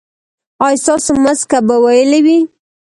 ایا ستاسو مسکه به ویلې وي؟